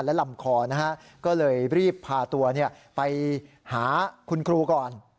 และลำคอนะฮะก็เลยรีบพาตัวไปหาคุณครูก่อน